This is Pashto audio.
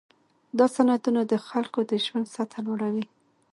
دا صنعتونه د خلکو د ژوند سطحه لوړوي.